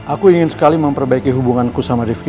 aku ingin sekali memperbaiki hubunganku sama rifki